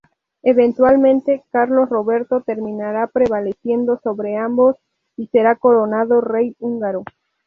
Eventualmente Carlos Roberto terminará prevaleciendo sobre ambos y será coronado rey húngaro.